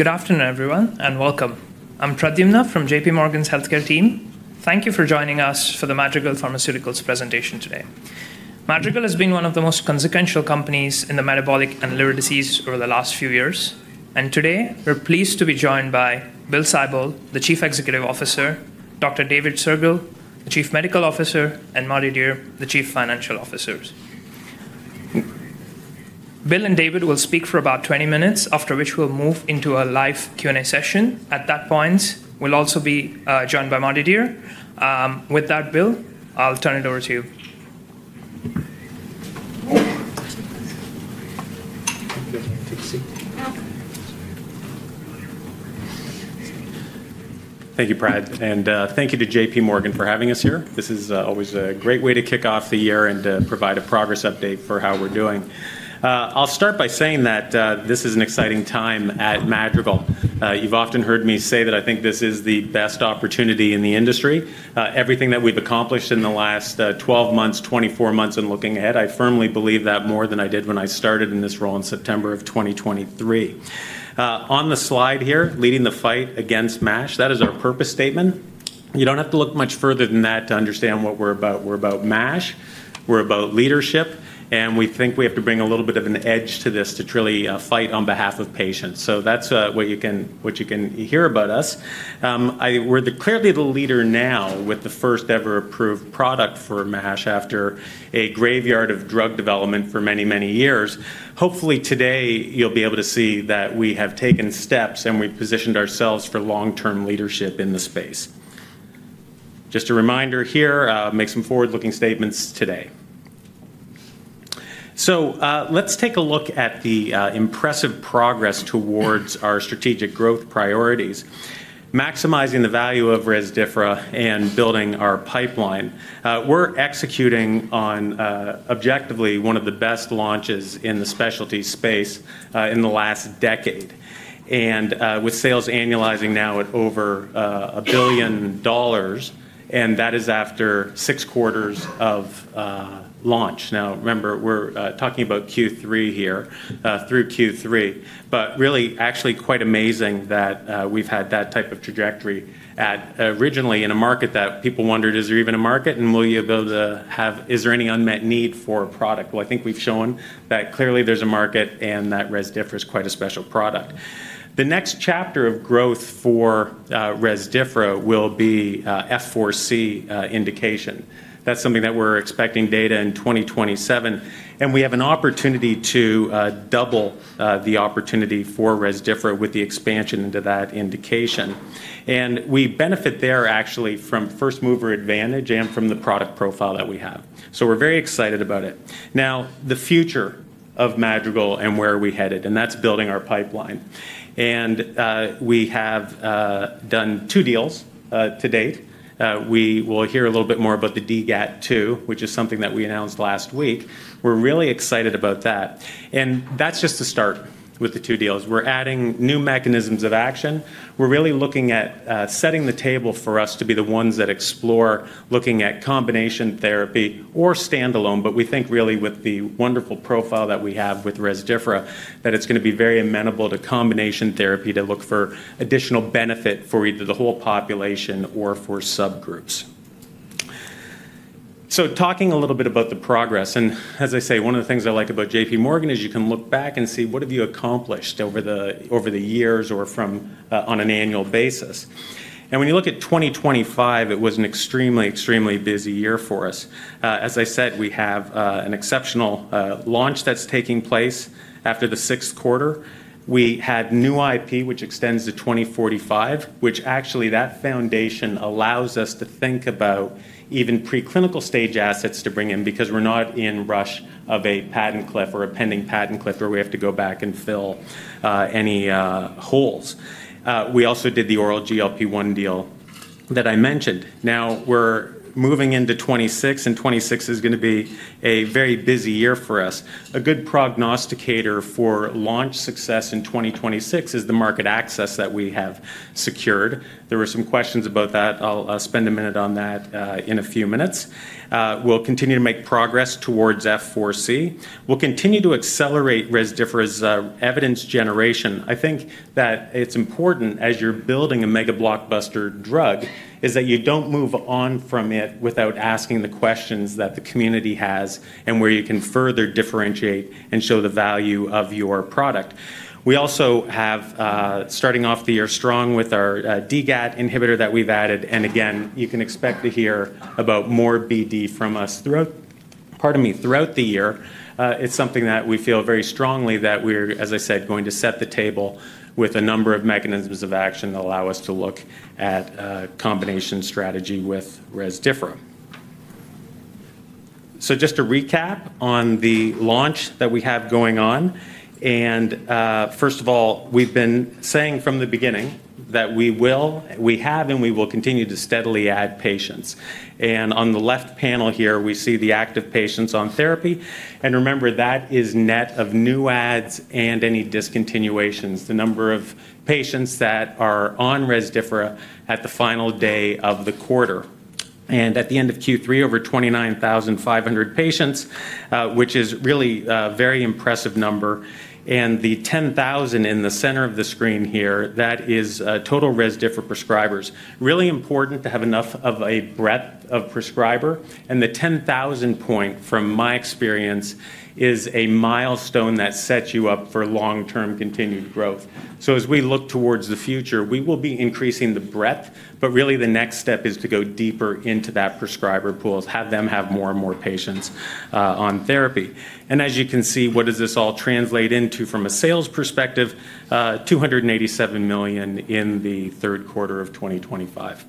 Good afternoon, everyone, and welcome. I'm Pradyumna from JPMorgan's healthcare team. Thank you for joining us for the Madrigal Pharmaceuticals presentation today. Madrigal has been one of the most consequential companies in the metabolic and liver disease over the last few years, and today, we're pleased to be joined by Bill Sibold, the Chief Executive Officer, Dr. David Soergel, the Chief Medical Officer, and Mardi Dier, the Chief Financial Officer. Bill and David will speak for about 20 minutes, after which we'll move into a live Q&A session. At that point, we'll also be joined by Mardi Dier. With that, Bill, I'll turn it over to you. Thank you, Prad, and thank you to JPMorgan for having us here. This is always a great way to kick off the year and to provide a progress update for how we're doing. I'll start by saying that this is an exciting time at Madrigal. You've often heard me say that I think this is the best opportunity in the industry. Everything that we've accomplished in the last 12 months, 24 months, and looking ahead, I firmly believe that more than I did when I started in this role in September of 2023. On the slide here, "Leading the fight against MASH," that is our purpose statement. You don't have to look much further than that to understand what we're about. We're about MASH. We're about leadership, and we think we have to bring a little bit of an edge to this to truly fight on behalf of patients. So that's what you can hear about us. We're clearly the leader now with the first-ever approved product for MASH after a graveyard of drug development for many, many years. Hopefully, today, you'll be able to see that we have taken steps and we've positioned ourselves for long-term leadership in the space. Just a reminder here, make some forward-looking statements today. So let's take a look at the impressive progress towards our strategic growth priorities, maximizing the value of Rezdiffra and building our pipeline. We're executing on objectively one of the best launches in the specialty space in the last decade, with sales annualizing now at over $1 billion, and that is after six quarters of launch. Now, remember, we're talking about Q3 here, through Q3. But really, actually, quite amazing that we've had that type of trajectory. Originally in a market that people wondered, is there even a market? And will you be able to have, is there any unmet need for a product? Well, I think we've shown that clearly there's a market and that Rezdiffra is quite a special product. The next chapter of growth for Rezdiffra will be F4C indication. That's something that we're expecting data in 2027. And we have an opportunity to double the opportunity for Resrxdiffra with the expansion into that indication. And we benefit there, actually, from first-mover advantage and from the product profile that we have. So we're very excited about it. Now, the future of Madrigal and where are we headed? And that's building our pipeline. And we have done two deals to date. We will hear a little bit more about the DGAT2, which is something that we announced last week. We're really excited about that, and that's just to start with the two deals. We're adding new mechanisms of action. We're really looking at setting the table for us to be the ones that explore looking at combination therapy or standalone, but we think really with the wonderful profile that we have with Rezdiffra that it's going to be very amenable to combination therapy to look for additional benefit for either the whole population or for subgroups, so talking a little bit about the progress, and as I say, one of the things I like about JPMorgan is you can look back and see what have you accomplished over the years or on an annual basis, and when you look at 2025, it was an extremely, extremely busy year for us. As I said, we have an exceptional launch that's taking place after this quarter. We had new IP, which extends to 2045, which actually that foundation allows us to think about even preclinical stage assets to bring in because we're not in rush of a patent cliff or a pending patent cliff where we have to go back and fill any holes. We also did the oral GLP-1 deal that I mentioned. Now, we're moving into 2026, and 2026 is going to be a very busy year for us. A good prognosticator for launch success in 2026 is the market access that we have secured. There were some questions about that. I'll spend a minute on that in a few minutes. We'll continue to make progress towards F4C. We'll continue to accelerate Rezdiffra's evidence generation. I think that it's important as you're building a mega blockbuster drug is that you don't move on from it without asking the questions that the community has and where you can further differentiate and show the value of your product. We also have, starting off the year strong with our DGAT inhibitor that we've added. And again, you can expect to hear about more BD from us throughout, pardon me, throughout the year. It's something that we feel very strongly that we're, as I said, going to set the table with a number of mechanisms of action that allow us to look at a combination strategy with Rezdiffra. So just to recap on the launch that we have going on, and first of all, we've been saying from the beginning that we will, we have, and we will continue to steadily add patients. On the left panel here, we see the active patients on therapy. Remember, that is net of new adds and any discontinuations, the number of patients that are on Rezdiffra at the final day of the quarter. At the end of Q3, over 29,500 patients, which is really a very impressive number. The 10,000 in the center of the screen here, that is total Rezdiffra prescribers. Really important to have enough of a breadth of prescriber. The 10,000 point, from my experience, is a milestone that sets you up for long-term continued growth. As we look towards the future, we will be increasing the breadth, but really the next step is to go deeper into that prescriber pools, have them have more and more patients on therapy. As you can see, what does this all translate into from a sales perspective? $287 million in the third quarter of 2025.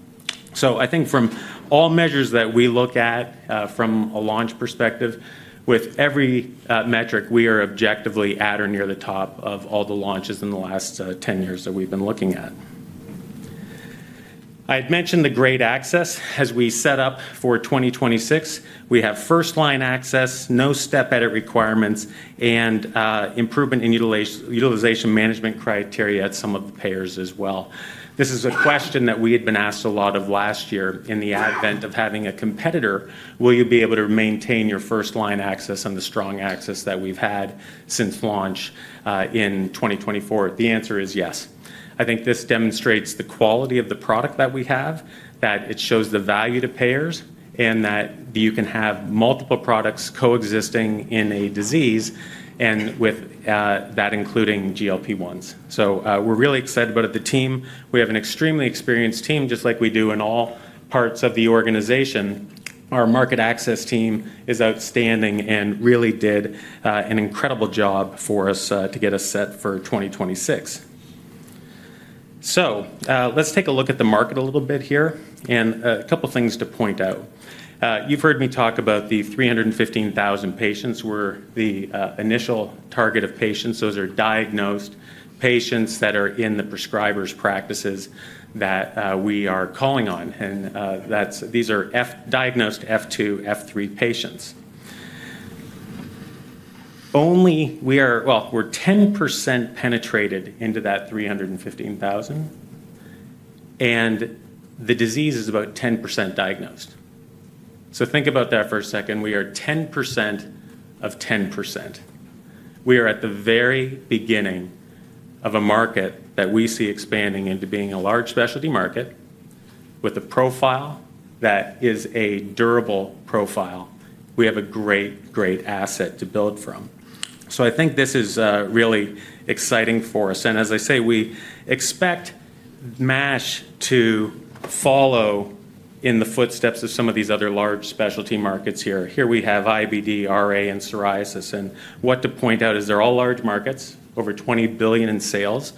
So I think from all measures that we look at from a launch perspective, with every metric, we are objectively at or near the top of all the launches in the last 10 years that we've been looking at. I had mentioned the great access. As we set up for 2026, we have first-line access, no step-edit requirements, and improvement in utilization management criteria at some of the payers as well. This is a question that we had been asked a lot of last year in the advent of having a competitor. Will you be able to maintain your first-line access and the strong access that we've had since launch in 2024? The answer is yes. I think this demonstrates the quality of the product that we have, that it shows the value to payers, and that you can have multiple products coexisting in a disease and with that including GLP-1s. So we're really excited about the team. We have an extremely experienced team, just like we do in all parts of the organization. Our market access team is outstanding and really did an incredible job for us to get us set for 2026. So let's take a look at the market a little bit here and a couple of things to point out. You've heard me talk about the 315,000 patients were the initial target of patients. Those are diagnosed patients that are in the prescriber's practices that we are calling on. And these are diagnosed F2, F3 patients. Only we are, well, we're 10% penetrated into that 315,000. The disease is about 10% diagnosed. So think about that for a second. We are 10% of 10%. We are at the very beginning of a market that we see expanding into being a large specialty market with a profile that is a durable profile. We have a great, great asset to build from. So I think this is really exciting for us. And as I say, we expect MASH to follow in the footsteps of some of these other large specialty markets here. Here we have IBD, RA, and psoriasis. And what to point out is they're all large markets, over $20 billion in sales,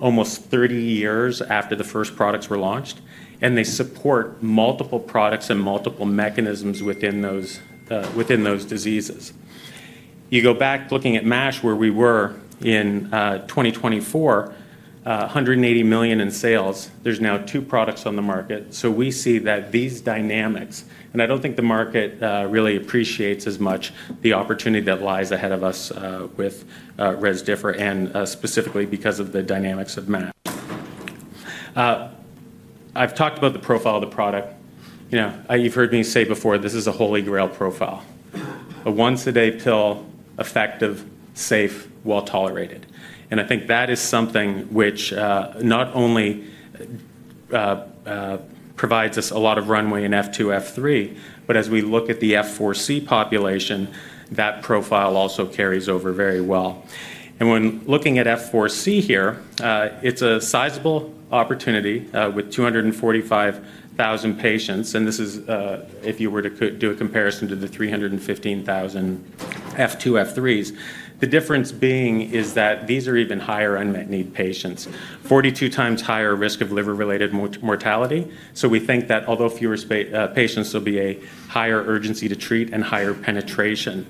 almost 30 years after the first products were launched. And they support multiple products and multiple mechanisms within those diseases. You go back looking at MASH, where we were in 2024, $180 million in sales. There's now two products on the market. We see that these dynamics, and I don't think the market really appreciates as much the opportunity that lies ahead of us with Rezdiffra, and specifically because of the dynamics of MASH. I've talked about the profile of the product. You've heard me say before, this is a holy grail profile, a once-a-day pill, effective, safe, well-tolerated. I think that is something which not only provides us a lot of runway in F2, F3, but as we look at the F4C population, that profile also carries over very well. When looking at F4C here, it's a sizable opportunity with 245,000 patients. This is if you were to do a comparison to the 315,000 F2, F3s. The difference being is that these are even higher unmet need patients, 42 times higher risk of liver-related mortality. We think that although fewer patients, there'll be a higher urgency to treat and higher penetration.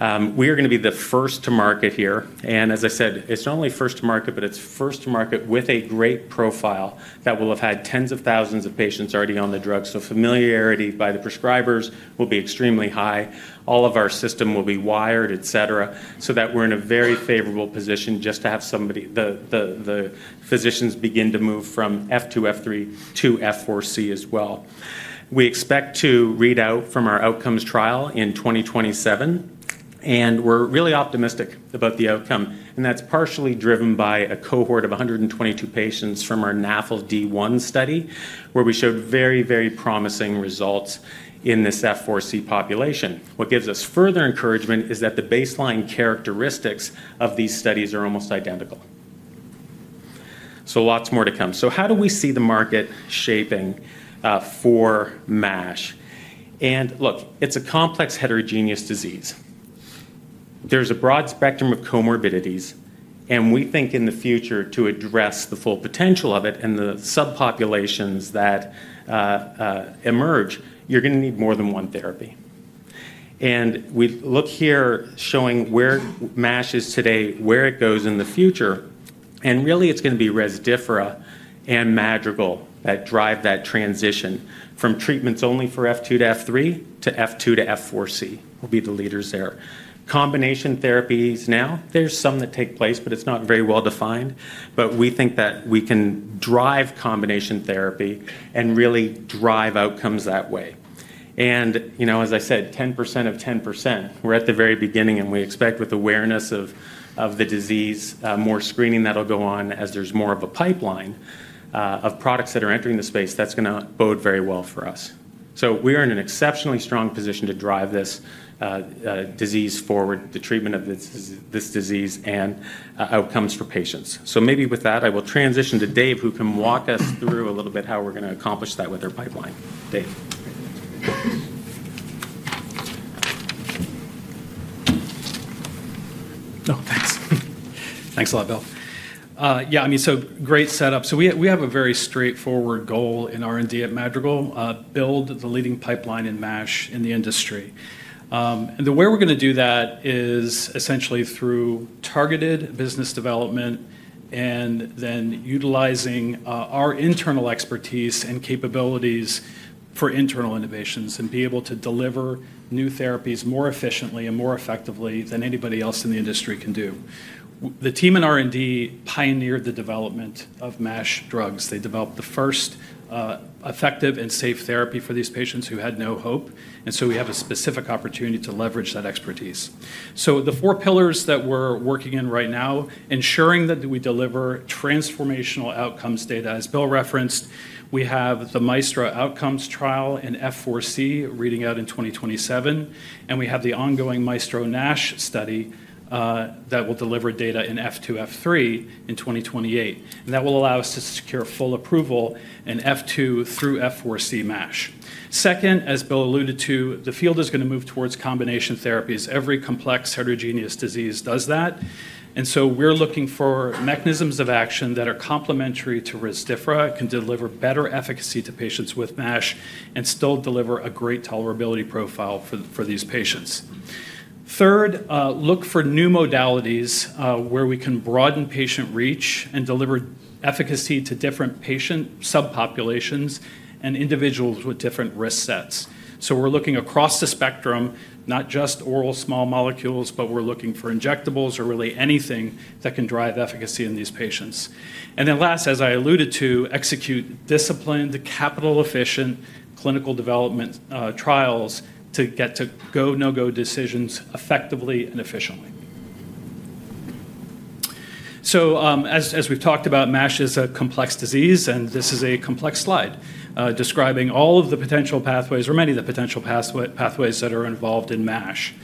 We are going to be the first to market here. And as I said, it's not only first to market, but it's first to market with a great profile that will have had tens of thousands of patients already on the drug. Familiarity by the prescribers will be extremely high. All of our system will be wired, etc., so that we're in a very favorable position just to have somebody, the physicians begin to move from F2, F3 to F4C as well. We expect to read out from our outcomes trial in 2027. And we're really optimistic about the outcome. And that's partially driven by a cohort of 122 patients from our NAFLD-1 study, where we showed very, very promising results in this F4C population. What gives us further encouragement is that the baseline characteristics of these studies are almost identical. So lots more to come. So how do we see the market shaping for MASH? And look, it's a complex heterogeneous disease. There's a broad spectrum of comorbidities. And we think in the future, to address the full potential of it and the subpopulations that emerge, you're going to need more than one therapy. And we look here showing where MASH is today, where it goes in the future. And really, it's going to be Rezdiffra and Madrigal that drive that transition from treatments only for F2 to F3 to F2 to F4C; they will be the leaders there. Combination therapies now, there's some that take place, but it's not very well defined. But we think that we can drive combination therapy and really drive outcomes that way. And as I said, 10% of 10%. We're at the very beginning, and we expect with awareness of the disease, more screening that'll go on as there's more of a pipeline of products that are entering the space that's going to bode very well for us. So we are in an exceptionally strong position to drive this disease forward, the treatment of this disease and outcomes for patients. So maybe with that, I will transition to Dave, who can walk us through a little bit how we're going to accomplish that with our pipeline. Dave. Oh, thanks. Thanks a lot, Bill. Yeah, I mean, so great setup. So we have a very straightforward goal in R&D at Madrigal, build the leading pipeline in MASH in the industry. And the way we're going to do that is essentially through targeted business development and then utilizing our internal expertise and capabilities for internal innovations and be able to deliver new therapies more efficiently and more effectively than anybody else in the industry can do. The team in R&D pioneered the development of MASH drugs. They developed the first effective and safe therapy for these patients who had no hope. And so we have a specific opportunity to leverage that expertise. So the four pillars that we're working in right now, ensuring that we deliver transformational outcomes data, as Bill referenced, we have the Maestro Outcomes trial in F4C reading out in 2027. And we have the ongoing Maestro NASH study that will deliver data in F2, F3 in 2028. And that will allow us to secure full approval in F2 through F4C MASH. Second, as Bill alluded to, the field is going to move towards combination therapies. Every complex heterogeneous disease does that. And so we're looking for mechanisms of action that are complementary to Resdifra, can deliver better efficacy to patients with MASH, and still deliver a great tolerability profile for these patients. Third, look for new modalities where we can broaden patient reach and deliver efficacy to different patient subpopulations and individuals with different risk sets. So we're looking across the spectrum, not just oral small molecules, but we're looking for injectables or really anything that can drive efficacy in these patients. And then last, as I alluded to, execute disciplined, capital-efficient clinical development trials to get to go, no-go decisions effectively and efficiently. As we've talked about, MASH is a complex disease, and this is a complex slide describing all of the potential pathways or many of the potential pathways that are involved in MASH.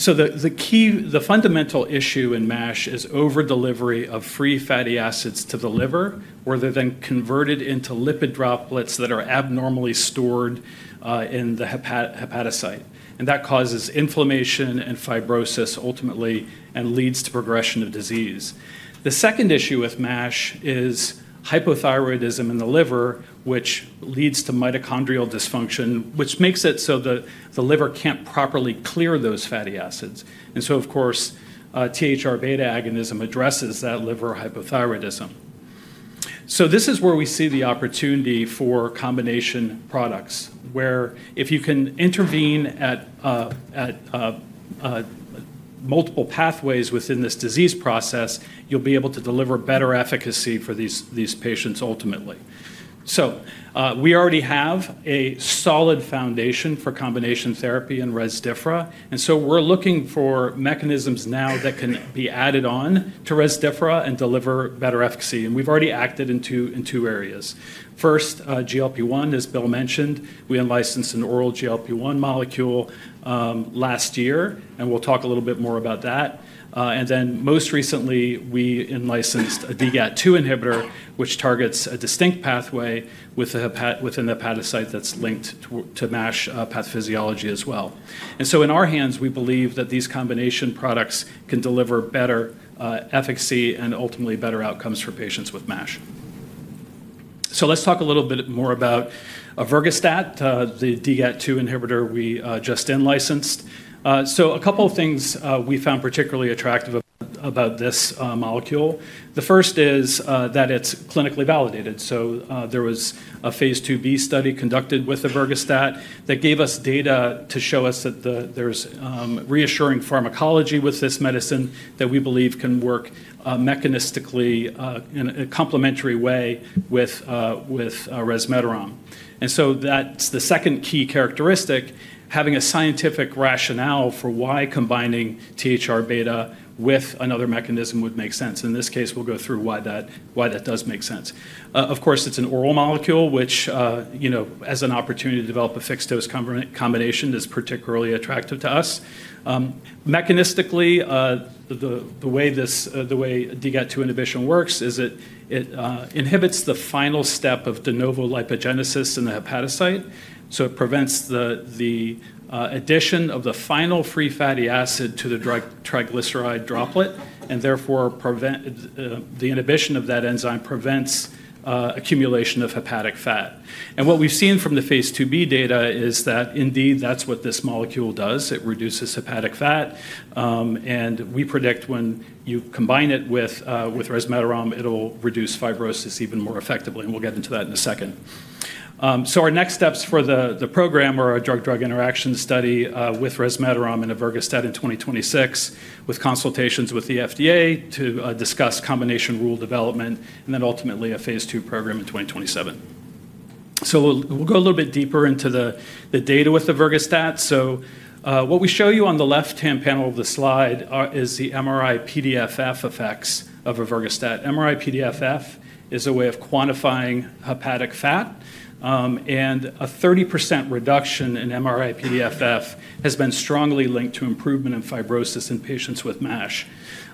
The fundamental issue in MASH is overdelivery of free fatty acids to the liver, where they're then converted into lipid droplets that are abnormally stored in the hepatocyte. And that causes inflammation and fibrosis ultimately and leads to progression of disease. The second issue with MASH is hypothyroidism in the liver, which leads to mitochondrial dysfunction, which makes it so that the liver can't properly clear those fatty acids. And so, of course, THR-beta agonism addresses that liver hypothyroidism. This is where we see the opportunity for combination products, where if you can intervene at multiple pathways within this disease process, you'll be able to deliver better efficacy for these patients ultimately. We already have a solid foundation for combination therapy in Rezdiffra. And so we're looking for mechanisms now that can be added on to Rezdiffra and deliver better efficacy. And we've already acted in two areas. First, GLP-1, as Bill mentioned, we unlicensed an oral GLP-1 molecule last year, and we'll talk a little bit more about that. And then most recently, we unlicensed a DGAT2 inhibitor, which targets a distinct pathway within the hepatocyte that's linked to MASH pathophysiology as well. And so in our hands, we believe that these combination products can deliver better efficacy and ultimately better outcomes for patients with MASH. So let's talk a little bit more about ervogastat, the DGAT2 inhibitor we just unlicensed. So a couple of things we found particularly attractive about this molecule. The first is that it's clinically validated. There was a phase IIB study conducted with the ervogastat that gave us data to show us that there's reassuring pharmacology with this medicine that we believe can work mechanistically in a complementary way with resmetirone. That's the second key characteristic, having a scientific rationale for why combining THR-beta with another mechanism would make sense. In this case, we'll go through why that does make sense. Of course, it's an oral molecule, which, as an opportunity to develop a fixed-dose combination, is particularly attractive to us. Mechanistically, the way DGAT2 inhibition works is it inhibits the final step of de novo lipogenesis in the hepatocyte. It prevents the addition of the final free fatty acid to the triglyceride droplet, and therefore the inhibition of that enzyme prevents accumulation of hepatic fat. And what we've seen from the phase IIb data is that indeed that's what this molecule does. It reduces hepatic fat. And we predict when you combine it with resmetirone, it'll reduce fibrosis even more effectively. And we'll get into that in a second. So our next steps for the program are a drug-drug interaction study with resmetirone and ervogastat in 2026, with consultations with the FDA to discuss combination regulatory development, and then ultimately a phase II program in 2027. So we'll go a little bit deeper into the data with the ervogastat. So what we show you on the left-hand panel of the slide is the MRI-PDFF effects of ervogastat. MRI-PDFF is a way of quantifying hepatic fat. And a 30% reduction in MRI-PDFF has been strongly linked to improvement in fibrosis in patients with MASH.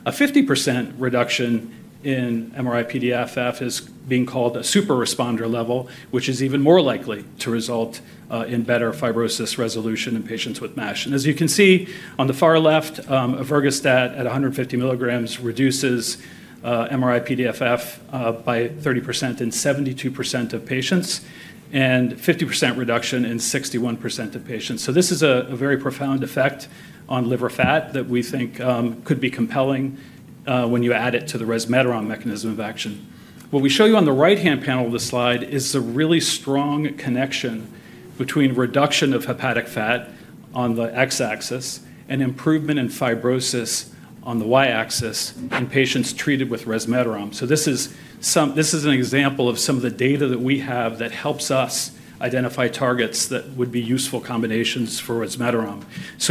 A 50% reduction in MRI-PDFF is being called a super responder level, which is even more likely to result in better fibrosis resolution in patients with MASH, and as you can see on the far left, ervogastat at 150 milligrams reduces MRI-PDFF by 30% in 72% of patients and 50% reduction in 61% of patients, so this is a very profound effect on liver fat that we think could be compelling when you add it to the resmetirone mechanism of action. What we show you on the right-hand panel of the slide is a really strong connection between reduction of hepatic fat on the x-axis and improvement in fibrosis on the y-axis in patients treated with resmetirone, so this is an example of some of the data that we have that helps us identify targets that would be useful combinations for resmetirone.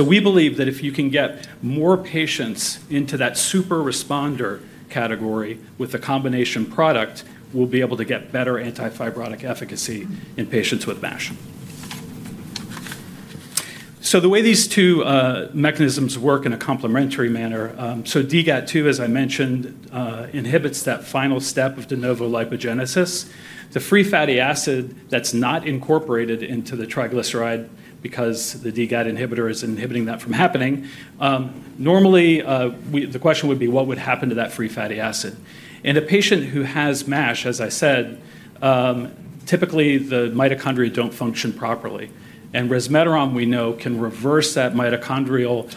We believe that if you can get more patients into that super responder category with a combination product, we'll be able to get better anti-fibrotic efficacy in patients with MASH. The way these two mechanisms work in a complementary manner, DGAT2, as I mentioned, inhibits that final step of de novo lipogenesis. The free fatty acid that's not incorporated into the triglyceride because the DGAT inhibitor is inhibiting that from happening, normally the question would be what would happen to that free fatty acid. In a patient who has MASH, as I said, typically the mitochondria don't function properly. Resmetirone, we know, can reverse that mitochondrial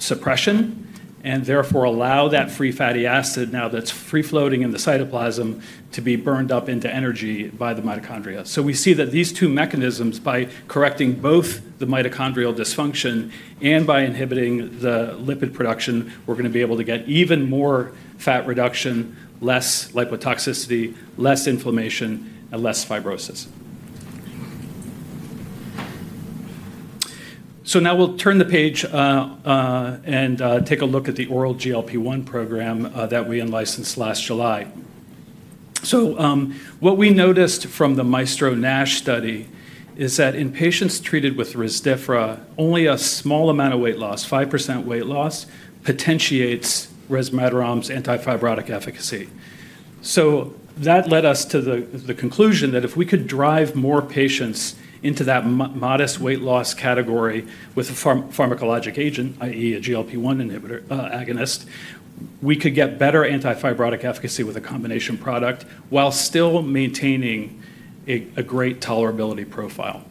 suppression and therefore allow that free fatty acid now that's free-floating in the cytoplasm to be burned up into energy by the mitochondria. We see that these two mechanisms, by correcting both the mitochondrial dysfunction and by inhibiting the lipid production, we're going to be able to get even more fat reduction, less lipotoxicity, less inflammation, and less fibrosis. Now we'll turn the page and take a look at the oral GLP-1 program that we unlicensed last July. What we noticed from the Maestro NASH study is that in patients treated with Rezdiffra, only a small amount of weight loss, 5% weight loss, potentiates resmetirone's anti-fibrotic efficacy. That led us to the conclusion that if we could drive more patients into that modest weight loss category with a pharmacologic agent, i.e., a GLP-1 agonist, we could get better anti-fibrotic efficacy with a combination product while still maintaining a great tolerability profile.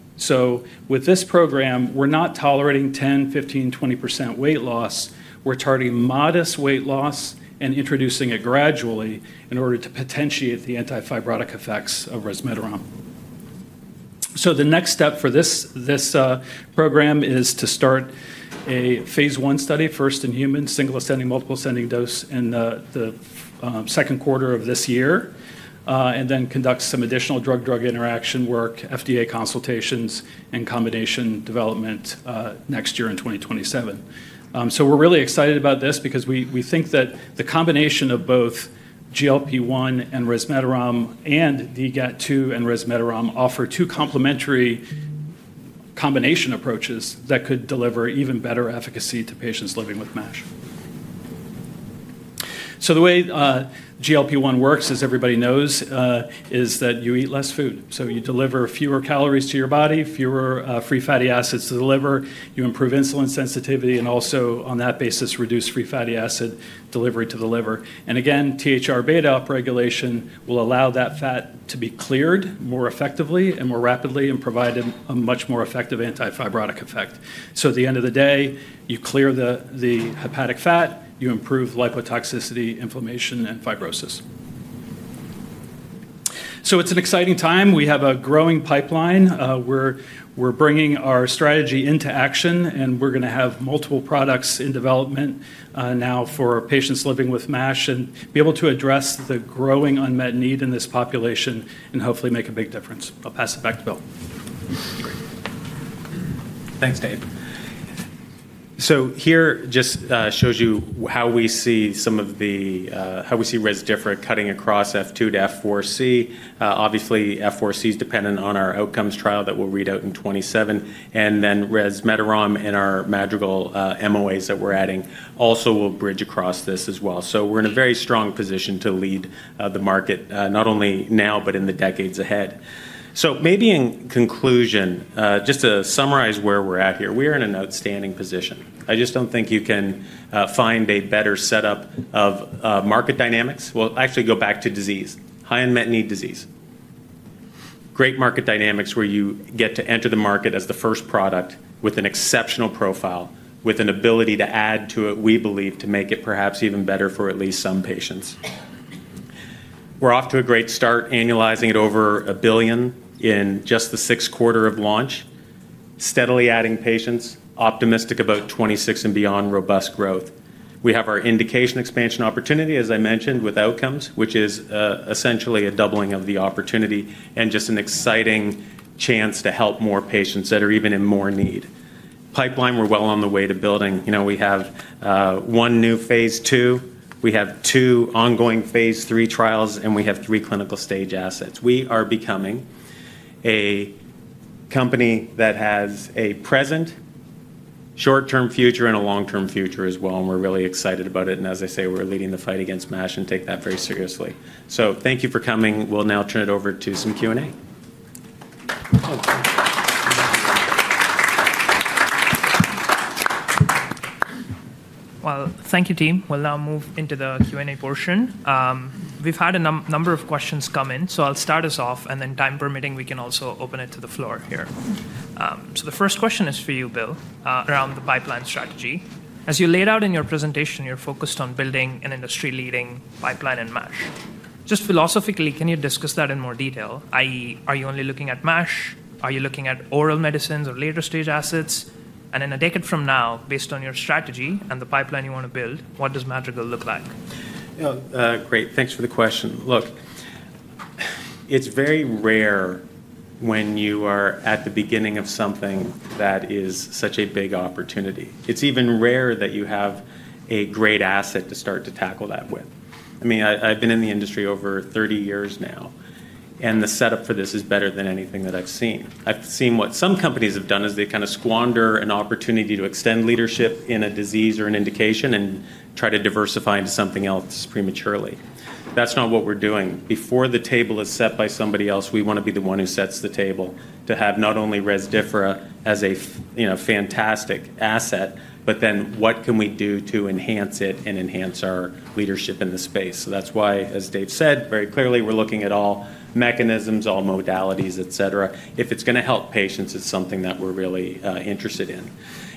With this program, we're not tolerating 10%, 15%, 20% weight loss. We're targeting modest weight loss and introducing it gradually in order to potentiate the anti-fibrotic effects of resmetirone. So the next step for this program is to start a phase I study, first in humans, single ascending, multiple ascending dose in the second quarter of this year, and then conduct some additional drug-drug interaction work, FDA consultations, and combination development next year in 2027. So we're really excited about this because we think that the combination of both GLP-1 and resmetirone and DGAT2 and resmetirone offer two complementary combination approaches that could deliver even better efficacy to patients living with MASH. So the way GLP-1 works, as everybody knows, is that you eat less food. So you deliver fewer calories to your body, fewer free fatty acids to the liver. You improve insulin sensitivity and also, on that basis, reduce free fatty acid delivery to the liver. Again, THR-beta upregulation will allow that fat to be cleared more effectively and more rapidly and provide a much more effective anti-fibrotic effect. So at the end of the day, you clear the hepatic fat, you improve lipotoxicity, inflammation, and fibrosis. So it's an exciting time. We have a growing pipeline. We're bringing our strategy into action, and we're going to have multiple products in development now for patients living with MASH and be able to address the growing unmet need in this population and hopefully make a big difference. I'll pass it back to Bill. Thanks, Dave. So here just shows you how we see some of the Rezdiffra cutting across F2 to F4C. Obviously, F4C is dependent on our outcomes trial that we'll read out in 2027. And then resmetirone and our Madrigal MOAs that we're adding also will bridge across this as well. So we're in a very strong position to lead the market not only now, but in the decades ahead. So maybe in conclusion, just to summarize where we're at here, we are in an outstanding position. I just don't think you can find a better setup of market dynamics. We'll actually go back to disease, high unmet need disease. Great market dynamics where you get to enter the market as the first product with an exceptional profile, with an ability to add to it, we believe, to make it perhaps even better for at least some patients. We're off to a great start, annualizing it over $1 billion in just the sixth quarter of launch, steadily adding patients, optimistic about 2026 and beyond robust growth. We have our indication expansion opportunity, as I mentioned, with outcomes, which is essentially a doubling of the opportunity and just an exciting chance to help more patients that are even in more need. Pipeline, we're well on the way to building. We have one new phase II. We have two ongoing phase III trials, and we have three clinical stage assets. We are becoming a company that has a present, short-term future, and a long-term future as well. And we're really excited about it. And as I say, we're leading the fight against MASH and take that very seriously. So thank you for coming. We'll now turn it over to some Q&A. Well, thank you, team. We'll now move into the Q&A portion. We've had a number of questions come in, so I'll start us off, and then time permitting, we can also open it to the floor here. So the first question is for you, Bill, around the pipeline strategy. As you laid out in your presentation, you're focused on building an industry-leading pipeline in MASH. Just philosophically, can you discuss that in more detail, i.e., are you only looking at MASH? Are you looking at oral medicines or later stage assets? And in a decade from now, based on your strategy and the pipeline you want to build, what does Madrigal look like? Great. Thanks for the question. Look, it's very rare when you are at the beginning of something that is such a big opportunity. It's even rare that you have a great asset to start to tackle that with. I mean, I've been in the industry over 30 years now, and the setup for this is better than anything that I've seen. I've seen what some companies have done is they kind of squander an opportunity to extend leadership in a disease or an indication and try to diversify into something else prematurely. That's not what we're doing. Before the table is set by somebody else, we want to be the one who sets the table to have not only Rezdiffra as a fantastic asset, but then what can we do to enhance it and enhance our leadership in the space? So that's why, as Dave said very clearly, we're looking at all mechanisms, all modalities, et cetera. If it's going to help patients, it's something that we're really interested in.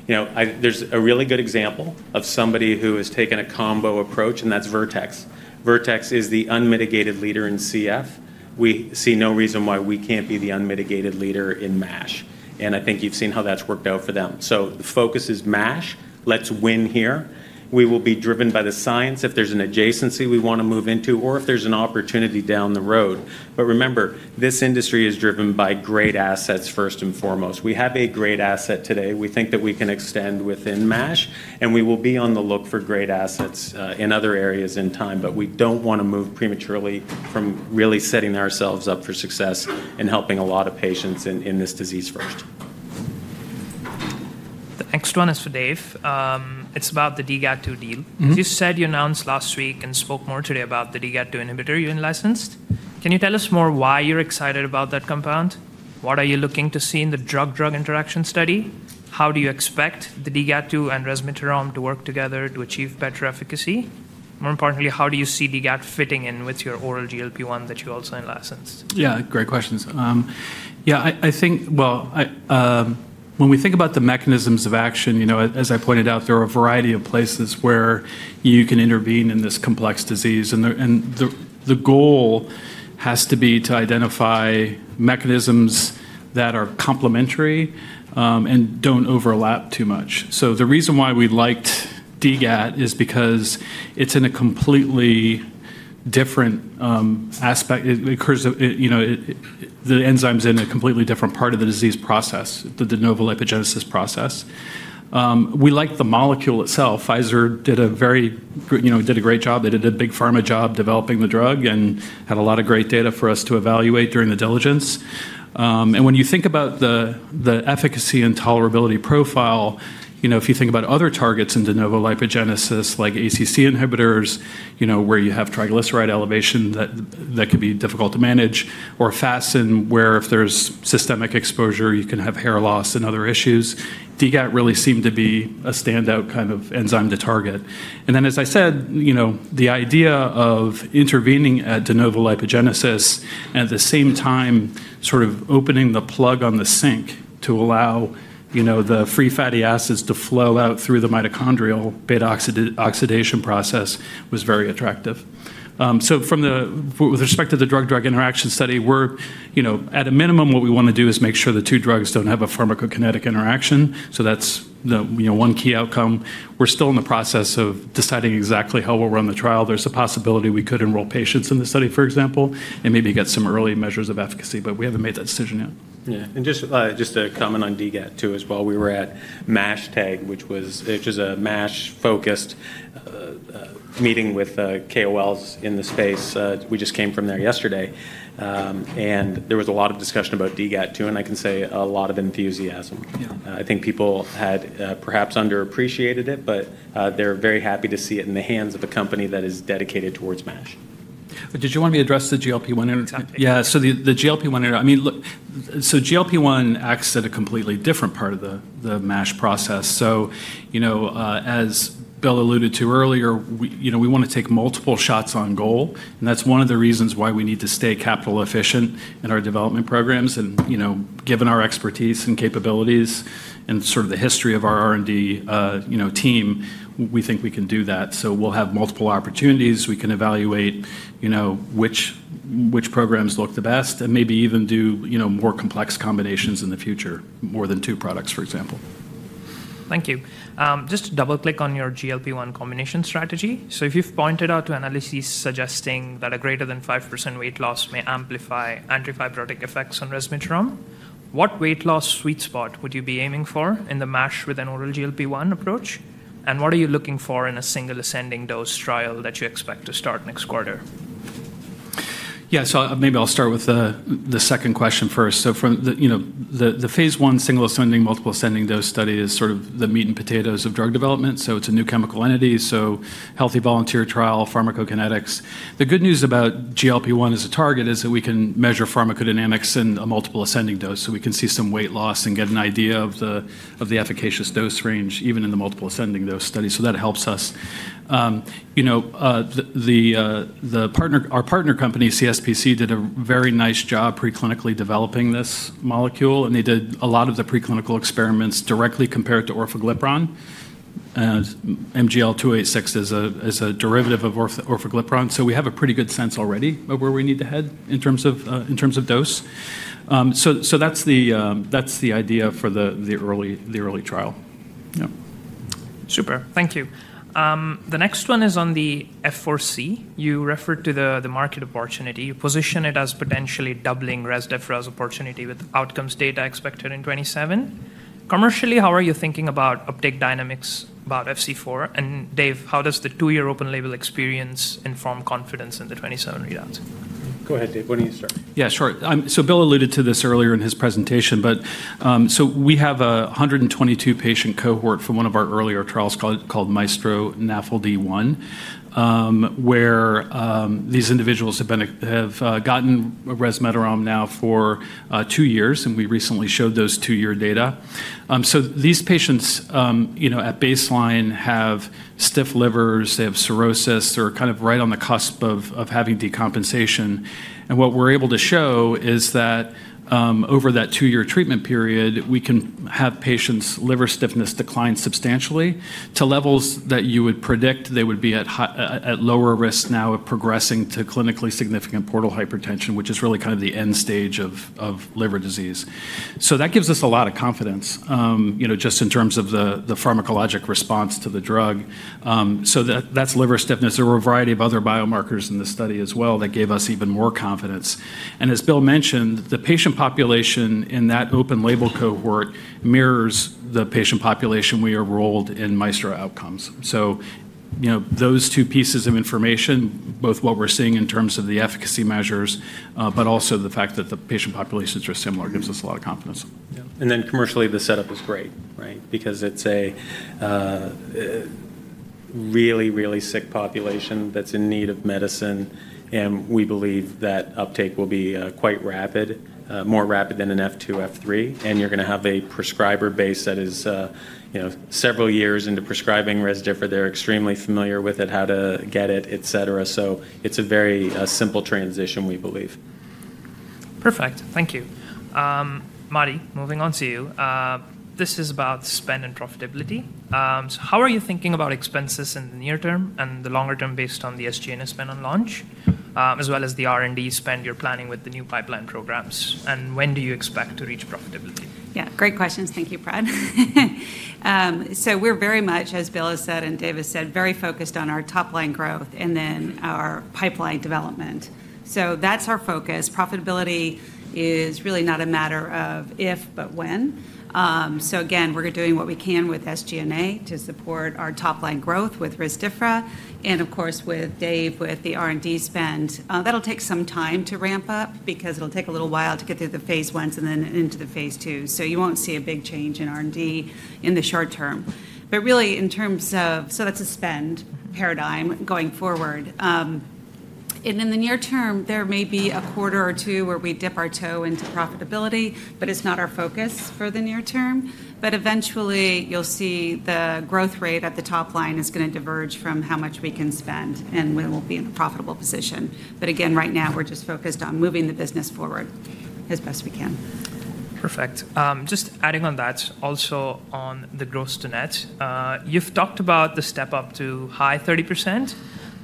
There's a really good example of somebody who has taken a combo approach, and that's Vertex. Vertex is the unmitigated leader in CF. We see no reason why we can't be the unmitigated leader in MASH. And I think you've seen how that's worked out for them. So the focus is MASH. Let's win here. We will be driven by the science if there's an adjacency we want to move into or if there's an opportunity down the road. But remember, this industry is driven by great assets first and foremost. We have a great asset today. We think that we can extend within MASH, and we will be on the look for great assets in other areas in time. But we don't want to move prematurely from really setting ourselves up for success and helping a lot of patients in this disease first. The next one is for Dave. It's about the DGAT2 deal. As you said, you announced last week and spoke more today about the DGAT2 inhibitor you licensed. Can you tell us more why you're excited about that compound? What are you looking to see in the drug-drug interaction study? How do you expect the DGAT2 and resmetirone to work together to achieve better efficacy? More importantly, how do you see DGAT fitting in with your oral GLP-1 that you also licensed? Yeah, great questions. Yeah, I think, well, when we think about the mechanisms of action, as I pointed out, there are a variety of places where you can intervene in this complex disease. And the goal has to be to identify mechanisms that are complementary and don't overlap too much. So the reason why we liked DGAT is because it's in a completely different aspect. The enzyme's in a completely different part of the disease process, the de novo lipogenesis process. We liked the molecule itself. Pfizer did a very great job. They did a big pharma job developing the drug and had a lot of great data for us to evaluate during the diligence. When you think about the efficacy and tolerability profile, if you think about other targets in de novo lipogenesis like ACC inhibitors, where you have triglyceride elevation that could be difficult to manage, or FASN where if there's systemic exposure, you can have hair loss and other issues, DGAT really seemed to be a standout kind of enzyme to target. Then, as I said, the idea of intervening at de novo lipogenesis and at the same time sort of opening the plug on the sink to allow the free fatty acids to flow out through the mitochondrial beta oxidation process was very attractive. With respect to the drug-drug interaction study, at a minimum, what we want to do is make sure the two drugs don't have a pharmacokinetic interaction. That's one key outcome. We're still in the process of deciding exactly how we'll run the trial. There's a possibility we could enroll patients in the study, for example, and maybe get some early measures of efficacy, but we haven't made that decision yet. Yeah. And just a comment on DGAT2 as well. We were at MASHTAG, which was a MASH-focused meeting with KOLs in the space. We just came from there yesterday. And there was a lot of discussion about DGAT2, and I can say a lot of enthusiasm. I think people had perhaps underappreciated it, but they're very happy to see it in the hands of a company that is dedicated towards MASH. Did you want me to address the GLP-1? Yeah. So the GLP-1, I mean, look, so GLP-1 acts at a completely different part of the MASH process. So as Bill alluded to earlier, we want to take multiple shots on goal. And that's one of the reasons why we need to stay capital efficient in our development programs. And given our expertise and capabilities and sort of the history of our R&D team, we think we can do that. So we'll have multiple opportunities. We can evaluate which programs look the best and maybe even do more complex combinations in the future, more than two products, for example. Thank you. Just to double-click on your GLP-1 combination strategy, so if you've pointed out to analyses suggesting that a greater than 5% weight loss may amplify anti-fibrotic effects on resmetirone, what weight loss sweet spot would you be aiming for in the MASH with an oral GLP-1 approach, and what are you looking for in a single ascending dose trial that you expect to start next quarter? Yeah, so maybe I'll start with the second question first. So the phase I single ascending, multiple ascending dose study is sort of the meat and potatoes of drug development. So it's a new chemical entity. So healthy volunteer trial, pharmacokinetics. The good news about GLP-1 as a target is that we can measure pharmacodynamics in a multiple ascending dose. So we can see some weight loss and get an idea of the efficacious dose range, even in the multiple ascending dose study. So that helps us. Our partner company, CSPC, did a very nice job preclinically developing this molecule. And they did a lot of the preclinical experiments directly compared to orforglipron. MGL-286 is a derivative of orforglipron. So we have a pretty good sense already of where we need to head in terms of dose. So that's the idea for the early trial. Yeah. Super. Thank you. The next one is on the F4C. You referred to the market opportunity. You position it as potentially doubling Rezdiffra opportunity with outcomes data expected in 2027. Commercially, how are you thinking about uptake dynamics about F4C? And Dave, how does the two-year open-label experience inform confidence in the 2027 readouts? Go ahead, Dave. Why don't you start? Yeah, sure. So Bill alluded to this earlier in his presentation. So we have a 122-patient cohort from one of our earlier trials called Maestro NAFLD-1, where these individuals have gotten resmetirone now for two years. And we recently showed those two-year data. So these patients at baseline have stiff livers. They have cirrhosis. They're kind of right on the cusp of having decompensation. And what we're able to show is that over that two-year treatment period, we can have patients' liver stiffness decline substantially to levels that you would predict they would be at lower risk now of progressing to clinically significant portal hypertension, which is really kind of the end stage of liver disease. So that gives us a lot of confidence just in terms of the pharmacologic response to the drug. So that's liver stiffness. There were a variety of other biomarkers in the study as well that gave us even more confidence, and as Bill mentioned, the patient population in that open-label cohort mirrors the patient population we enrolled in Maestro Outcomes, so those two pieces of information, both what we're seeing in terms of the efficacy measures, but also the fact that the patient populations are similar, gives us a lot of confidence. Yeah. And then commercially, the setup is great, right? Because it's a really, really sick population that's in need of medicine. And we believe that uptake will be quite rapid, more rapid than an F2, F3. And you're going to have a prescriber base that is several years into prescribing Rezdiffra. They're extremely familiar with it, how to get it, et cetera. So it's a very simple transition, we believe. Perfect. Thank you. Mardi, moving on to you. This is about spend and profitability. So how are you thinking about expenses in the near term and the longer term based on the SG&A spend on launch, as well as the R&D spend you're planning with the new pipeline programs? And when do you expect to reach profitability? Yeah, great questions. Thank you, Brad. So we're very much, as Bill has said and Dave has said, very focused on our top-line growth and then our pipeline development. So that's our focus. Profitability is really not a matter of if, but when. So again, we're doing what we can with SG&A to support our top-line growth with Rezdiffra and, of course, with Dave with the R&D spend. That'll take some time to ramp up because it'll take a little while to get through the phase I and then into the phase II. So you won't see a big change in R&D in the short term. But really, in terms of, so that's a spend paradigm going forward. And in the near term, there may be a quarter or two where we dip our toe into profitability, but it's not our focus for the near term. But eventually, you'll see the growth rate at the top line is going to diverge from how much we can spend, and we will be in a profitable position. But again, right now, we're just focused on moving the business forward as best we can. Perfect. Just adding on that also on the gross to net, you've talked about the step up to high 30%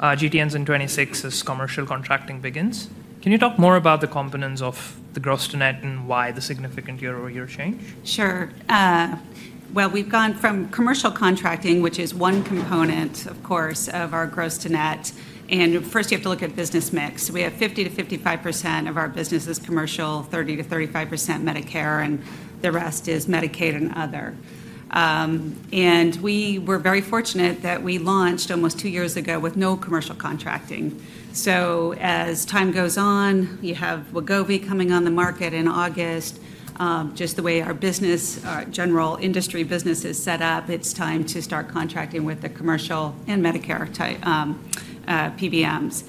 GTNs and 26% as commercial contracting begins. Can you talk more about the components of the gross to net and why the significant year-over-year change? Sure. Well, we've gone from commercial contracting, which is one component, of course, of our gross to net. And first, you have to look at business mix. We have 50%-55% of our business is commercial, 30%-35% Medicare, and the rest is Medicaid and other. And we were very fortunate that we launched almost two years ago with no commercial contracting. So as time goes on, you have Wegovy coming on the market in August. Just the way our business, our general industry business is set up, it's time to start contracting with the commercial and Medicare PBMs.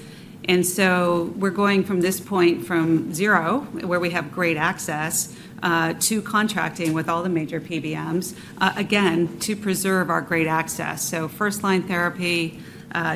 And so we're going from this point from zero, where we have great access, to contracting with all the major PBMs, again, to preserve our great access. So first-line therapy,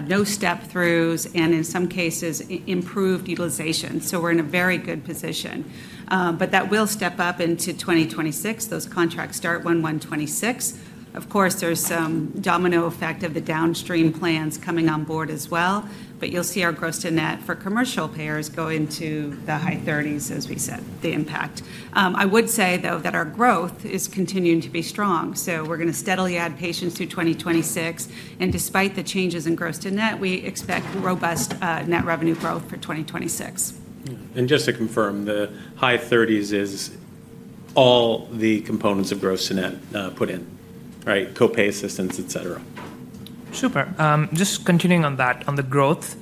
no step-throughs, and in some cases, improved utilization. So we're in a very good position. But that will step up into 2026. Those contracts start 1/1/2026. Of course, there's some domino effect of the downstream plans coming on board as well. But you'll see our gross to net for commercial payers go into the high 30s, as we said, the impact. I would say, though, that our growth is continuing to be strong. So we're going to steadily add patients through 2026. And despite the changes in gross to net, we expect robust net revenue growth for 2026. Just to confirm, the high 30s is all the components of gross to net put in, right? Copay assistance, et cetera. Super. Just continuing on that, on the growth,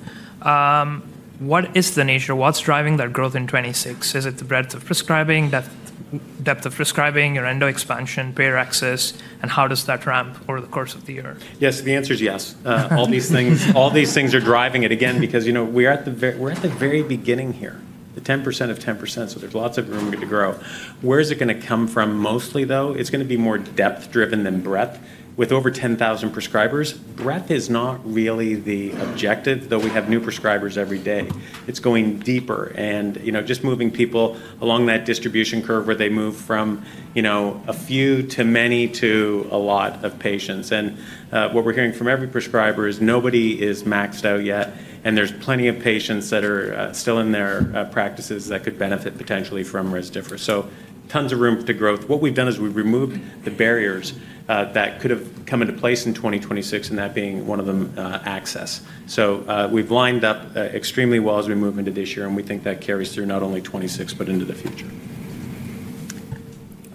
what is the nature? What's driving that growth in 2026? Is it the breadth of prescribing, depth of prescribing, your endo expansion, payer access, and how does that ramp over the course of the year? Yes, the answer is yes. All these things are driving it again because we're at the very beginning here, the 10% of 10%. So there's lots of room to grow. Where is it going to come from mostly, though? It's going to be more depth-driven than breadth. With over 10,000 prescribers, breadth is not really the objective, though we have new prescribers every day. It's going deeper and just moving people along that distribution curve where they move from a few to many to a lot of patients. And what we're hearing from every prescriber is nobody is maxed out yet. And there's plenty of patients that are still in their practices that could benefit potentially from Rezdiffra. So tons of room to growth. What we've done is we've removed the barriers that could have come into place in 2026, and that being one of them, access. So we've lined up extremely well as we move into this year. And we think that carries through not only 2026, but into the future.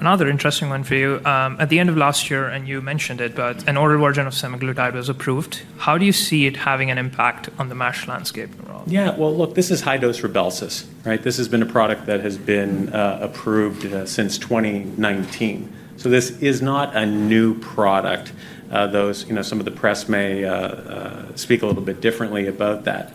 Another interesting one for you. At the end of last year, and you mentioned it, but an older version of semaglutide was approved. How do you see it having an impact on the MASH landscape overall? Yeah. Well, look, this is high-dose Rybelsus, right? This has been a product that has been approved since 2019. So this is not a new product. Some of the press may speak a little bit differently about that.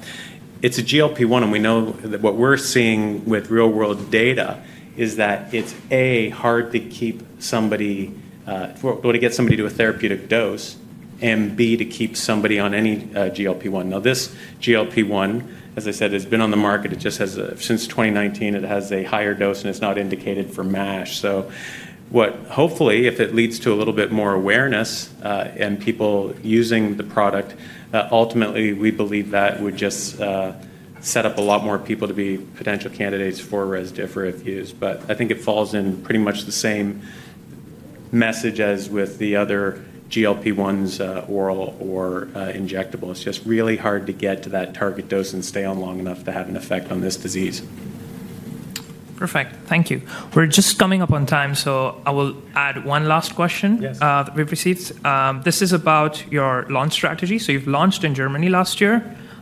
It's a GLP-1. And we know that what we're seeing with real-world data is that it's, A, hard to keep somebody or to get somebody to a therapeutic dose, and B, to keep somebody on any GLP-1. Now, this GLP-1, as I said, has been on the market. It just has since 2019, it has a higher dose, and it's not indicated for MASH. So hopefully, if it leads to a little bit more awareness and people using the product, ultimately, we believe that would just set up a lot more people to be potential candidates for Rezdiffra if used. But I think it falls in pretty much the same message as with the other GLP-1s oral or injectable. It's just really hard to get to that target dose and stay on long enough to have an effect on this disease. Perfect. Thank you. We're just coming up on time. So I will add one last question that we've received. This is about your launch strategy. So you've launched in Germany last year.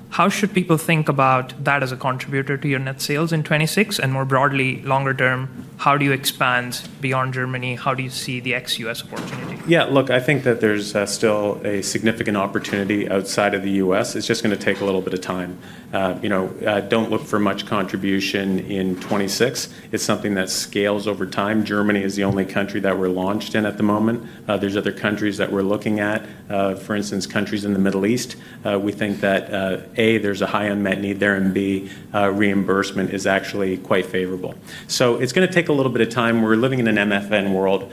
How should people think about that as a contributor to your net sales in 2026? And more broadly, longer term, how do you expand beyond Germany? How do you see the ex-US opportunity? Yeah, look, I think that there's still a significant opportunity outside of the U.S. It's just going to take a little bit of time. Don't look for much contribution in 2026. It's something that scales over time. Germany is the only country that we're launched in at the moment. There's other countries that we're looking at. For instance, countries in the Middle East, we think that, A, there's a high unmet need there, and B, reimbursement is actually quite favorable. So it's going to take a little bit of time. We're living in an MFN world.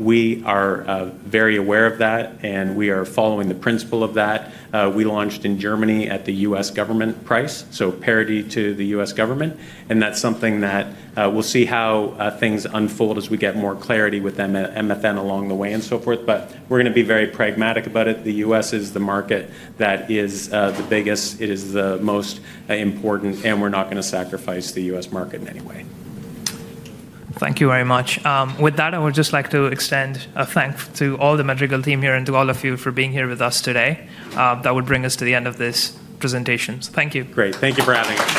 We are very aware of that, and we are following the principle of that. We launched in Germany at the U.S. government price, so parity to the U.S. government, and that's something that we'll see how things unfold as we get more clarity with MFN along the way and so forth. But we're going to be very pragmatic about it. The U.S. is the market that is the biggest. It is the most important. And we're not going to sacrifice the U.S. market in any way. Thank you very much. With that, I would just like to extend a thank you to all the Madrigal team here and to all of you for being here with us today. That would bring us to the end of this presentation. So thank you. Great. Thank you for having me.